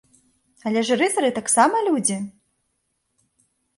Але ж рыцары таксама людзі!